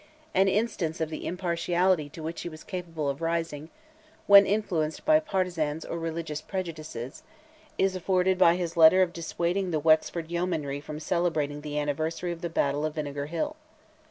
An instance of the impartiality to which he was capable of rising, when influenced by partisans or religious prejudices, is afforded by his letter dissuading the Wexford yeomanry from celebrating the anniversary of the battle of Vinegar Hill.